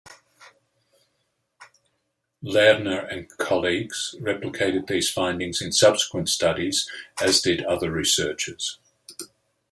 Lerner and colleagues replicated these findings in subsequent studies, as did other researchers.